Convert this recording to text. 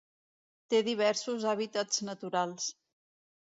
Té diversos hàbitats naturals.